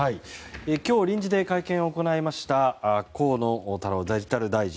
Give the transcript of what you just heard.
今日、臨時で会見を行いました河野太郎デジタル大臣。